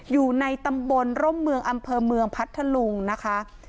อยู่ในตำบลร่มเมืองอำเภอเมืองพัทธลุงนะคะ